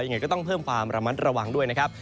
ยังไงก็ต้องเพิ่มความระมัดระวังด้วยนะครับ